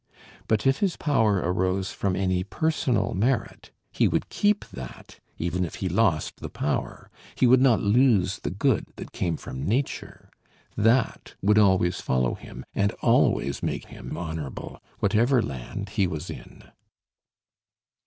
But if his power arose from any personal merit, he would keep that even if he lost the power. He would not lose the good that came from nature; that would always follow him and always make him honorable, whatever land he was in....